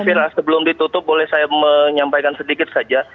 mbak fira sebelum ditutup boleh saya menyampaikan sedikit saja